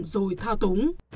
rồi thao túng